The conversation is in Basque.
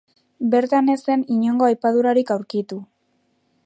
Bertan ez zen inongo apaindurarik aurkitu.